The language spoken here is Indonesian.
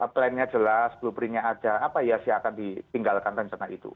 plan nya jelas blueprint nya ada apa iya sih akan ditinggalkan rencana itu